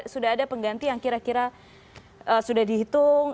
sudah ada pengganti yang kira kira sudah dihitung